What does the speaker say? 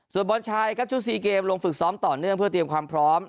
ส่วนบอลชายครับชุด๔เกมลงฝึกซ้อมต่อเนื่องเพื่อเตรียมความพร้อม